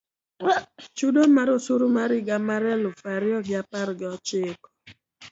Chudo mar osuru mar higa mar eluf ario gi apar gi ochiko